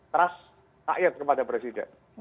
terus takyat kepada presiden